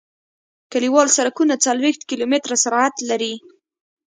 کلیوال سرکونه څلویښت کیلومتره سرعت لري